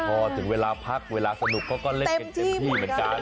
พอถึงเวลาพักเวลาสนุกก็เล่นเก่งที่เหมือนกัน